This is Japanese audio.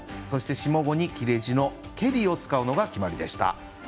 そして下五に切れ字の「けり」を使うのが決まりでした。